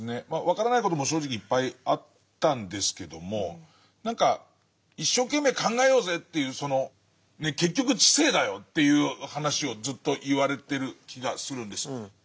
まあ分からない事も正直いっぱいあったんですけども何か一生懸命考えようぜという結局知性だよという話をずっと言われてる気がするんです。